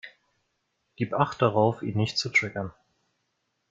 Gib Acht darauf, ihn nicht zu triggern.